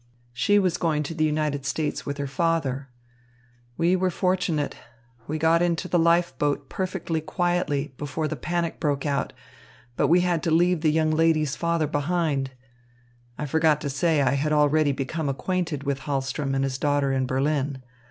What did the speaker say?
She was going to the United States with her father. We were fortunate. We got into the life boat perfectly quietly, before the panic broke out, but we had to leave the young lady's father behind. I forgot to say I had already become acquainted with Hahlström and his daughter in Berlin.